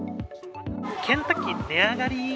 ケンタッキー、値上がり。